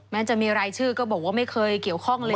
จะมีรายชื่อก็บอกว่าไม่เคยเกี่ยวข้องเลย